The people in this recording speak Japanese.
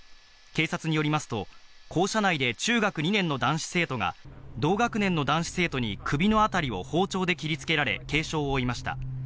警察によりますと、校舎内で中学２年の男子生徒が、同学年の男子生徒に首のあたりを包丁で切りつけられ、軽傷を負いました。